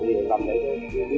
thì làm đấy thôi